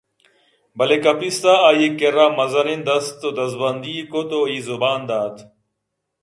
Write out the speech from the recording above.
بلے کپیس ءَ آئی ءِ کرّا مزنیں دست ءُ دزبندی ئے کُت ءُ اے زبان دات